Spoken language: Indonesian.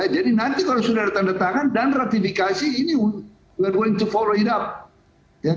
jadi nanti kalau sudah ada tanda tangan dan ratifikasi ini kita akan meneruskan